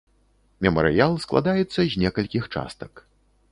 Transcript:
Мемарыял складаецца з некалькіх частак.